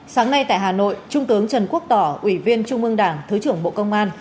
sáng nay tại hà nội trung tướng trần quốc tỏ ủy viên trung ương đảng thứ trưởng bộ công an